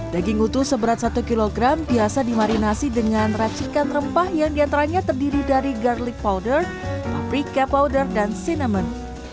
daging utuh seberat satu kg biasa dimarinasi dengan racikan rempah yang diantaranya terdiri dari garlic powder paprika powder dan cinemen